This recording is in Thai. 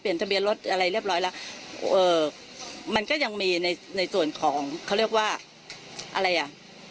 ทะเบียนรถอะไรเรียบร้อยแล้วเอ่อมันก็ยังมีในในส่วนของเขาเรียกว่าอะไรอ่ะ